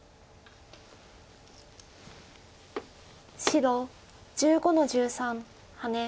白１５の十三ハネ。